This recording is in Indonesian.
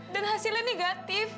dan hasilnya negatif